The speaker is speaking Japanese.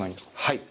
はい。